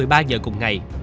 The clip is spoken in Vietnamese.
ba giờ cùng ngày